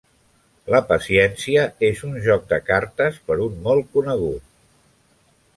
La paciència és un joc de cartes per un molt conegut